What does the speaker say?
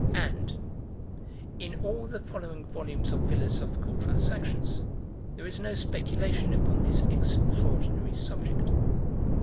And: In all the following volumes of Philosophical Transactions there is no speculation upon this extraordinary subject.